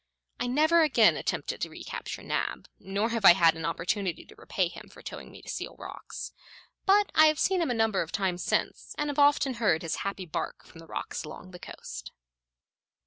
I never again attempted to recapture Nab, nor have I had an opportunity to repay him for towing me to Seal Rocks; but I have seen him a number of times since, and have often heard his happy bark from the rocks along the coast.